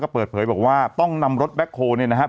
เปิดเผยบอกว่าต้องนำรถแบ็คโฮลเนี่ยนะครับ